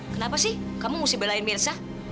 kenapa sih kamu ngusip belain mirza